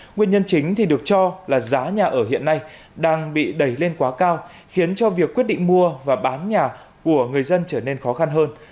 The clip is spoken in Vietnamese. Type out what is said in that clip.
nguyên nhân chính được cho là giá nhà ở hiện nay đang bị đẩy lên quá cao khiến cho việc quyết định mua và bán nhà của người dân trở nên khó khăn hơn